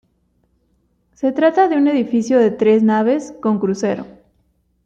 Se trata de un edificio de tres naves con crucero.